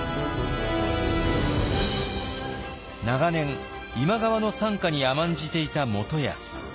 長年今川の傘下に甘んじていた元康。